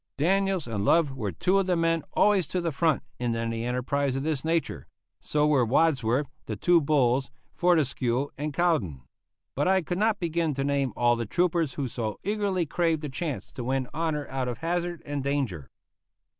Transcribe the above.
Daniels and Love were two of the men always to the front in any enterprise of this nature; so were Wadsworth, the two Bulls, Fortescue, and Cowdin. But I could not begin to name all the troopers who so eagerly craved the chance to win honor out of hazard and danger.